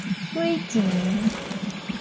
䉪錢